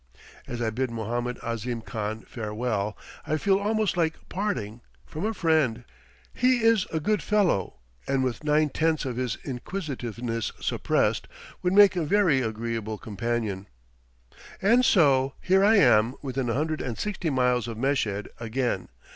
As I bid Mohammed Ahzim Khan farewell, I feel almost like parting from a friend; he is a good fellow, and with nine tenths of his inquisitiveness suppressed, would make a very agreeable companion. And so, here I am within a hundred and sixty miles of Meshed again.